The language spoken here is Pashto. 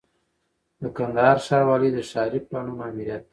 د کندهار ښاروالۍ د ښاري پلانونو آمریت